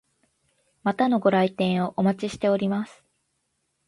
またのご来店をお待ちしております。